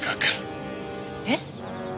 えっ？